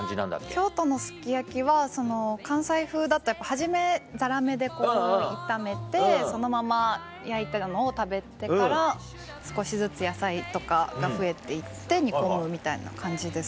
京都のすき焼きは関西風だとやっぱ初めザラメで炒めてそのまま焼いたのを食べてから少しずつ野菜とかが増えて行って煮込むみたいな感じですね。